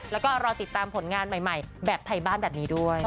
แล้วก็รอติดตามผลงานใหม่แบบไทยบ้านแบบนี้ด้วย